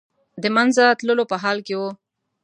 د منځه تللو په حال کې و.